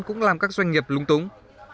cũng làm các doanh nghiệp lung túng